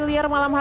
di jawa tengah